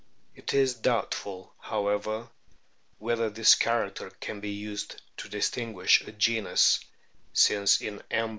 It is doubtful, however, whether this character can be used to distinguish a genus since in M.